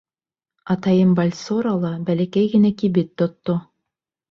Атайым Бальсорала бәләкәй генә кибет тотто.